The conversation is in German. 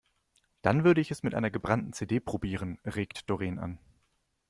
Dann würde ich es mit einer gebrannten CD probieren, regt Doreen an.